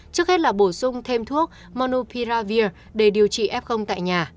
trước hết là bổ sung thêm thuốc monopiravir để điều trị f tại nhà